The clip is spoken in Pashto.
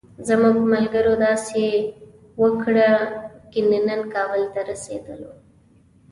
زموږ ملګرو داوسي وکړه، کني نن کابل ته رسېدلو.